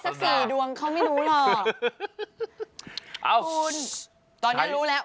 หลอดไปสักสี่ดวงเขาไม่รู้หรอกคุณตอนนี้รู้แล้ว